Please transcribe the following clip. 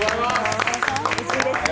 うれしいですね。